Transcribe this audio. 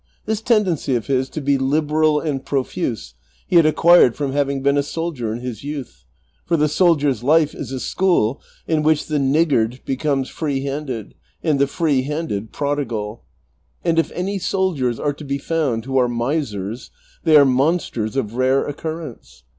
This tendency of his to be liberal and profuse he had acquired from having been a soldier in his youth, for the soldier's life is a school in which the niggard becomes free handed, and the free handed prodigal ; and if any soldiers are to be found who are misers, they are monsters of rare occurrence.